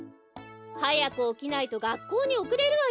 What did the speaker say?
はやくおきないとがっこうにおくれるわよ。